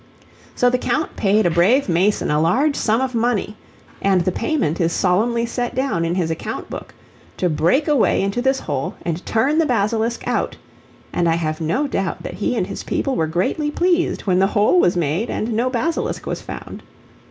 So the Count paid a brave mason a large sum of money (and the payment is solemnly set down in his account book) to break a way into this hole and turn the basilisk out; and I have no doubt that he and his people were greatly pleased when the hole was made and no basilisk was found.